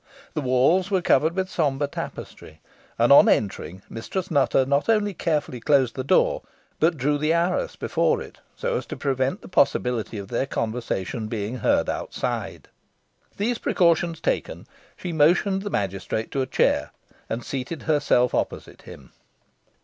The walls were covered with sombre tapestry, and on entering, Mistress Nutter not only carefully closed the door, but drew the arras before it, so as to prevent the possibility of their conversation being heard outside. These precautions taken, she motioned the magistrate to a chair, and seated herself opposite him.